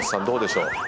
どうでしょう？